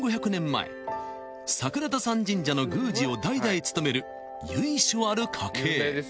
［櫻田山神社の宮司を代々務める由緒ある家系］